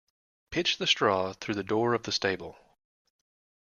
Pitch the straw through the door of the stable.